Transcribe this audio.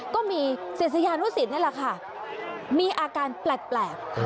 ก็มีศิษยานุสิตนี่แหละค่ะมีอาการแปลก